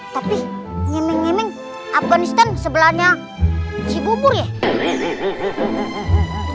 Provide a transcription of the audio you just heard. tapi ngemeng ngemeng afganistan sebelahnya si bubur ya